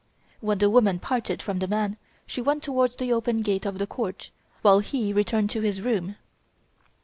When the woman parted from the man she went towards the open gate of the court, while he returned to his room.